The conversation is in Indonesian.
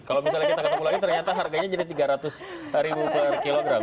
kalau misalnya kita ketemu lagi ternyata harganya jadi rp tiga ratus ribu per kilogram